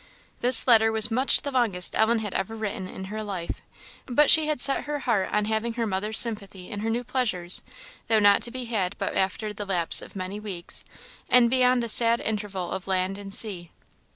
This letter was much the longest Ellen had ever written in her life; but she had set her heart on having her mother's sympathy in her new pleasures, though not to be had but after the lapse of many weeks, and beyond a sad interval of land and sea.